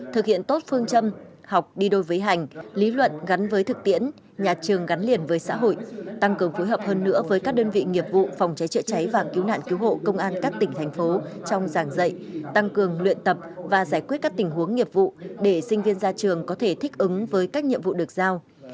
thực hiện tốt phương châm học đi đôi với hành lý luận gắn với thực tiễn nhà trường gắn liền với xã hội tăng cường phối hợp hơn nữa với các đơn vị nghiệp vụ phòng cháy chữa cháy và cứu nạn cứu hộ công an các tỉnh thành phố trong giảng dạy tăng cường luyện tập và giải quyết các tình huống nghiệp vụ để sinh viên ra trường có thể thích ứng với các nhiệm vụ được giao